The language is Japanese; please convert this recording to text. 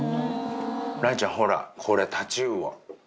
雷ちゃんほらこれタチウオ。